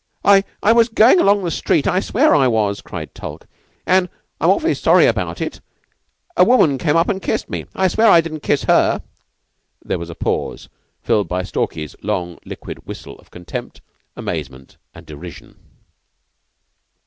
"I I was goin' along the street I swear I was," cried Tulke, "and and I'm awfully sorry about it a woman came up and kissed me. I swear I didn't kiss her." There was a pause, filled by Stalky's long, liquid whistle of contempt, amazement, and derision.